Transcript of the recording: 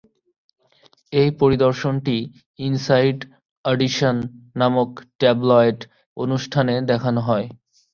এই পরিদর্শনটি Inside Edition নামক ট্যাবলয়েড অনুষ্ঠানে দেখানো হয়।